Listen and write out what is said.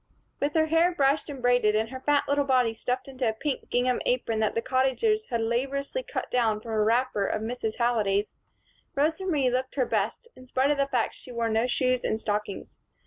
With her hair brushed and braided and her fat little body stuffed into a pink gingham apron that the Cottagers had laboriously cut down from a wrapper of Mrs. Halliday's, Rosa Marie looked her best, in spite of the fact that she wore no shoes and stockings.